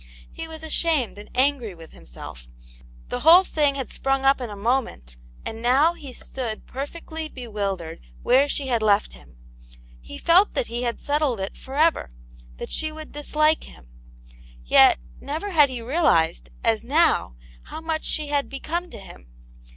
He was ashamed and angry with himself ; the whole thing had sprung up in a moment, and now he stood perfectly be wildered where she had left him. He felt that he had settled it for ever, that she would dislike him ; yet, never had he realized, as now, how much she had become to him.